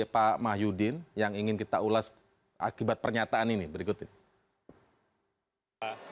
pak mahyudin yang ingin kita ulas akibat pernyataan ini berikut ini